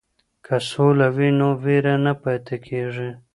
که سوله وي نو وېره نه پاتې کیږي.